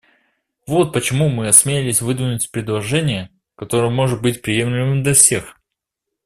Вот почему мы осмелились выдвинуть предложение, которое может быть приемлемым для всех.